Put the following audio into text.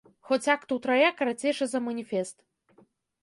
Хоць акт утрая карацейшы за маніфест.